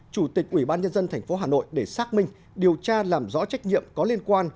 chủ tịch ủy ban nhân dân tp hà nội để xác minh điều tra làm rõ trách nhiệm có liên quan